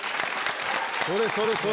それそれそれ！